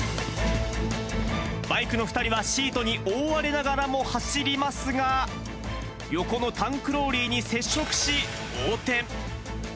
バイクの２人はシートに覆われながらも走りますが、横のタンクローリーに接触し、横転。